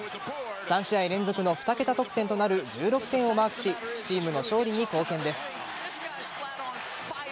３試合連続の２桁得点となる１６点をマークしチームの勝利に貢献です。